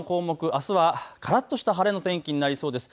あすはからっとした晴れの天気になりそうです。